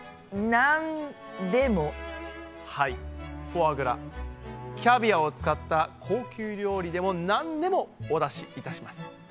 フォアグラキャビアを使った高級料理でも何でもお出しいたします。